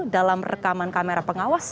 dalam rekaman kamera pengawas